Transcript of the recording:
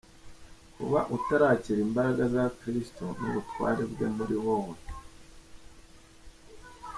Kuba utarakira imbaraga za Kristo n’ubutware bwe muri wowe.